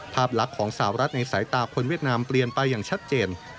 ภาพลักษณ์ของสาวรัฐในสายตาคนเวียดนามเปลี่ยนไปอย่างชัดเจน